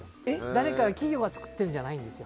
誰か企業が作ってるわけじゃないんですよ。